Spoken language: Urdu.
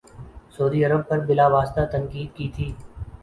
سعودی عرب پر بلا واسطہ تنقید کی تھی